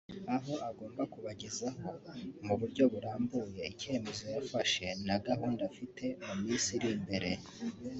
aho agomba kubagezaho mu buryo burambuye icyemezo yafashe na gahunda afite mu minsi iri imbere